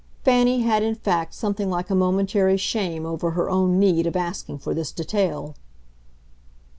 Fanny had in fact something like a momentary shame over her own need of asking for this detail.